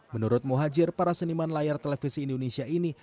menurut muhajir para seniman layar televisi indonesia ini